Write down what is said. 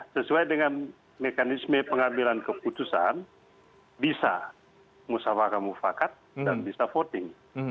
sesuai dengan mekanisme pengambilan keputusan bisa musawakan mufakat dan bisa voting